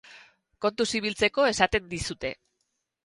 Kontuz ibiltzeko esaten dizute.